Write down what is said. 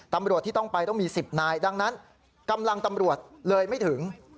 ตำรวจที่ต้องไปต้องมี๑๐นายดังนั้นกำลังตำรวจเลยไม่ถึง